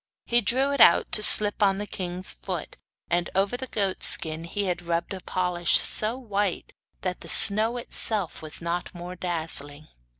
He drew it out to slip on the king's foot, and over the goat skin he had rubbed a polish so white that the snow itself was not more dazzling.